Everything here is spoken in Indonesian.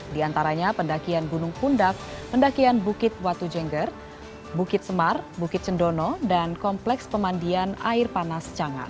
diantaranya pendakian gunung kundak pendakian bukit watujenger bukit semar bukit cendono dan kompleks pemandian air panas cangar